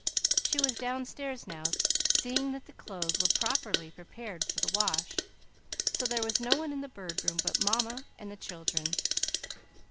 She was downstairs now, seeing that the clothes were properly prepared for the wash, so there was no one in the Bird Room but Mamma and the children.